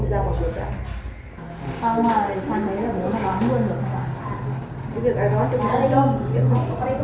rồi chúng ta hôm nay hôm nay là sao